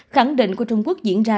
khẳng định của trung quốc diễn ra